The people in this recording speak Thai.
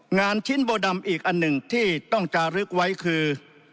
งานชิ้นโบดำอีกอันหนึ่งที่ต้องจารึกไว้คือ